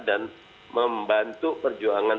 dan membantu perjuangan